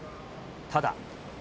ただ。